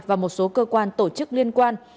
và một số cơ quan tổ chức liên quan